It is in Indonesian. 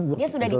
dia sudah dicekal